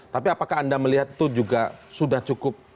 tapi apakah anda melihat itu juga sudah cukup